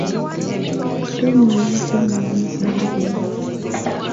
Ate omuvubuka ono wamusanze wa?